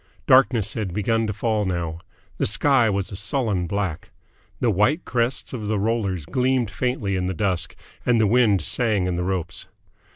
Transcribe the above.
Darkness had begun to fall now. The sky was a sullen black. The white crests of the rollers gleamed faintly in the dusk, and the wind sang in the ropes.